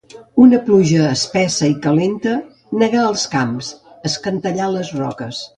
Una pluja espessa i calenta negà els camps, escantellà les roques.